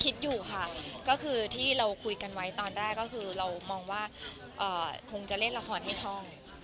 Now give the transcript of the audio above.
คิดอยู่ค่ะก็คือที่เราคุยกันไว้ตอนแรกก็คือเรามองว่าคงจะเล่นละครให้ช่อง